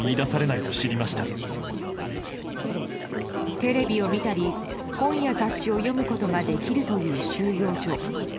テレビを見たり、本や雑誌を読むことができるという収容所。